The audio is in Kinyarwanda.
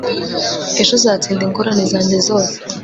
ejo uzatsinda ingorane zanjye zose